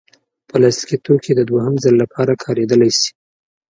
پلاستيکي توکي د دوهم ځل لپاره کارېدلی شي.